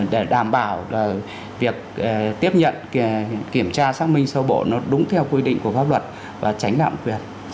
để đảm bảo việc tiếp nhận kiểm tra xác minh sâu bộ nó đúng theo quy định của pháp luật và tránh lạm quyền